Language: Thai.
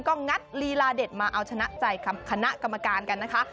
ก็งัดลีลาเด็ดมาเอาชนะใจคณะกรรมการกันนะคะ